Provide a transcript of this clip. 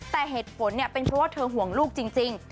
แต่เหตุผลเนี่ยเป็นเพราะว่าเธอห่วงลูกจริง